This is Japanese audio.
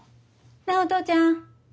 なあお父ちゃん。